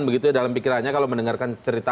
begitu ya dalam pikirannya kalau mendengarkan cerita